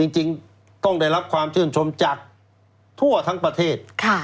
จริงต้องได้รับความชื่นชมจากทั่วทั้งประเทศ